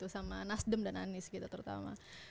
sama nasdem dan anies gitu terutama